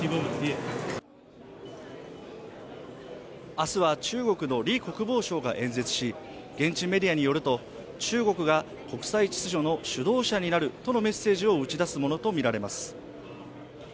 明日は中国の李国防相が演説し、現地メディアによると中国が国際秩序の主導者になるとのメッセージを打ち出すものとみられます。